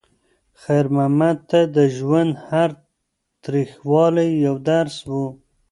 خیر محمد ته د ژوند هر تریخوالی یو درس و.